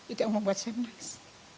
itu yang membuat saya menang